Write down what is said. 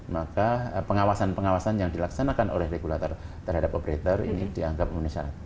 maka pengawasan pengawasan yang dilaksanakan oleh regulator terhadap operator ini dianggap memenuhi syarat